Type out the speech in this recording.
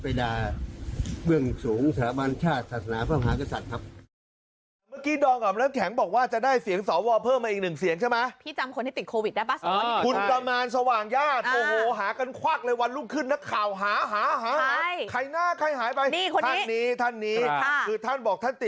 ด่าเบื้องสูงสถาบันชาติศาสนาพระมหากษัตริย์ครับ